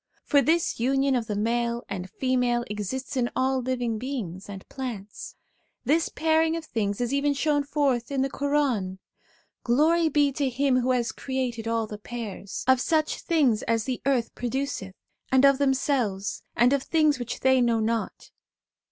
For this union of the male and female exists in all living beings and plants. This pairing of things is even shown forth in the Quran :' Glory be to Him who has created all the pairs : of such things as the earth produceth, and of themselves; and of things which they know not.'